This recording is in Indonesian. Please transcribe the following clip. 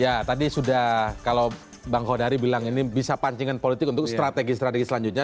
ya tadi sudah kalau bang kodari bilang ini bisa pancingan politik untuk strategi strategi selanjutnya